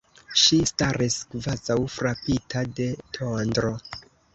Ŝi staris, kvazaŭ frapita de tondro.